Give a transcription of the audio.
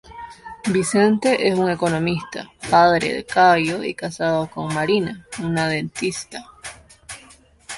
Vicente es un economista, padre de Caio y casado con Marina, una dentista.